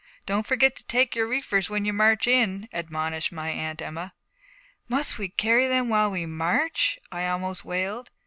'Don't forget to take your reefers when you march in,' admonished my Aunt Emma. 'Must we carry them while we march?' I almost wailed.